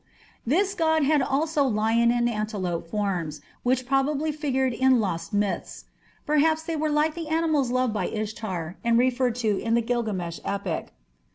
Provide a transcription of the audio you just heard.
This god had also lion and antelope forms, which probably figured in lost myths perhaps they were like the animals loved by Ishtar and referred to in the Gilgamesh epic.